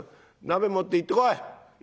鍋持って行ってこい。